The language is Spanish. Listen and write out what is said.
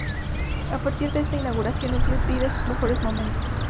A partir de esta inauguración, el club vive sus mejores momentos.